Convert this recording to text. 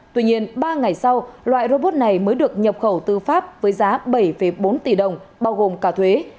tuy nhiên ba ngày sau loại robot này mới được nhập khẩu tư pháp với giá bảy bốn tỷ đồng bao gồm cả thuế